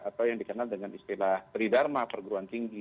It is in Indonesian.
atau yang dikenal dengan istilah tridharma perguruan tinggi